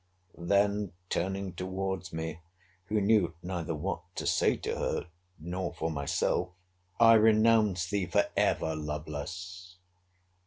Then, turning towards me, who knew neither what to say to her, nor for myself, I renounce thee for ever, Lovelace!